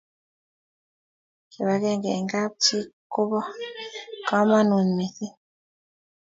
kip akenge eng kap chii kobo kamangut mising